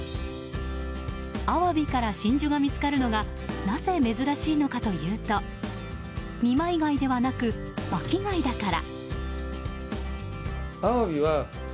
アワビから真珠が見つかるのがなぜ珍しいのかというと二枚貝ではなく、巻き貝だから。